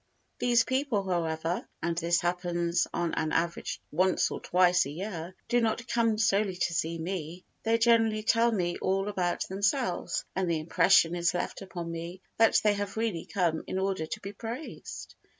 These people however (and this happens on an average once or twice a year) do not come solely to see me, they generally tell me all about themselves and the impression is left upon me that they have really come in order to be praised.